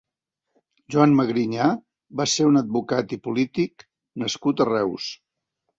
Joan Magrinyà va ser un advocat i polític nascut a Reus.